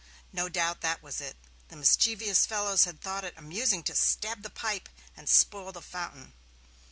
No doubt that was it; the mischievous fellows had thought it amusing to stab the pipe and spoil the fountain.